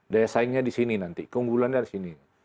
daya saingnya di sini nanti keunggulannya dari sini